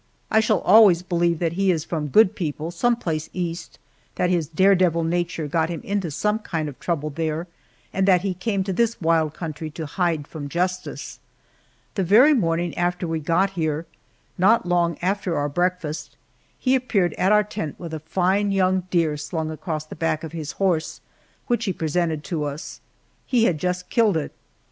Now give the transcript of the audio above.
I shall always believe that he is from good people some place East, that his "dare devil" nature got him into some kind of trouble there, and that he came to this wild country to hide from Justice. The very morning after we got here, not long after our breakfast, he appeared at our tent with a fine young deer slung across the back of his horse, which he presented to us. He had just killed it.